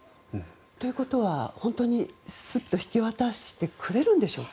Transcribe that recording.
ということは本当にすっと引き渡してくれるんでしょうか。